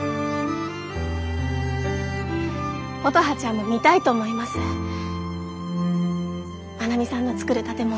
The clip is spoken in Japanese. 乙葉ちゃんも見たいと思います真奈美さんの造る建物。